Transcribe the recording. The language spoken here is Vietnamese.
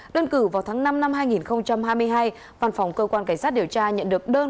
đơn cử vào tháng năm năm hai nghìn hai mươi hai văn phòng cơ quan cảnh sát điều tra nhận được đơn